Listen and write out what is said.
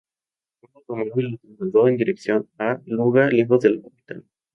Un automóvil lo trasladó en dirección a Luga, lejos de la capital.